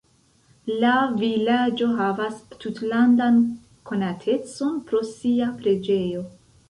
La vilaĝo havas tutlandan konatecon pro sia preĝejo.